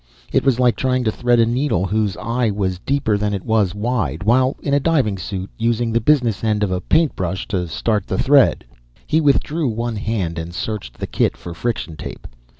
It was like trying to thread a needle whose eye was deeper than it was wide, while in a diving suit, using the business end of a paintbrush to start the thread. He withdrew one hand and searched the kit for friction tape.